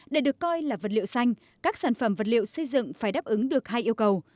để được coi là vật liệu xanh các sản phẩm vật liệu xây dựng phải đáp ứng được hai yêu cầu